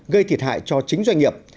gây thiệt hại cho chính doanh nghiệp